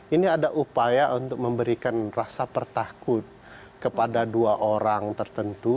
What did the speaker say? ini ada upaya untuk memberikan rasa pertakut kepada dua orang tertentu